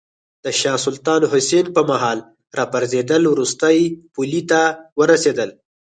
د شاه سلطان حسین په مهال کې راپرزېدل وروستۍ پولې ته ورسېدل.